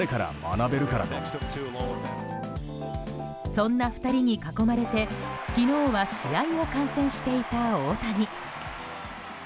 そんな２人に囲まれて昨日は試合を観戦していた大谷。